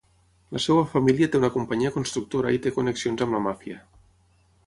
La seva família té una companyia constructora i té connexions amb la màfia.